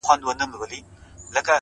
د قاف د شاپيرو اچيل دې غاړه کي زنگيږي”